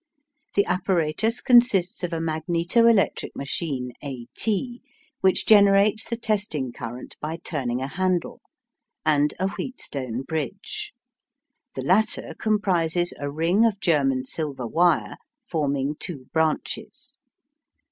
The apparatus consists of a magneto electric machine AT, which generates the testing current by turning a handle, and a Wheatstone bridge. The latter comprises a ring of German silver wire, forming two branches.